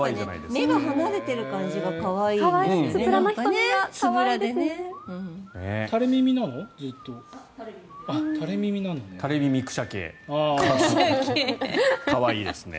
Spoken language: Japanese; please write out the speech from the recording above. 目が離れてる感じが可愛いですね。